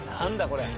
これ。